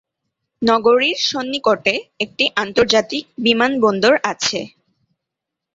নগরীর সন্নিকটে একটি আন্তর্জাতিক বিমানবন্দর আছে।